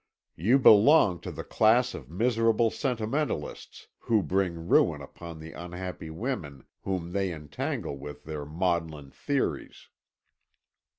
You belong to the class of miserable sentimentalists who bring ruin upon the unhappy women whom they entangle with their maudlin theories.